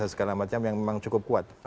dan segala macam yang memang cukup kuat